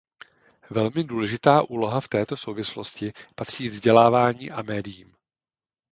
Velmi důležitá úloha v této souvislosti patří vzdělávání a médiím.